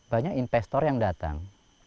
banyak investor yang datang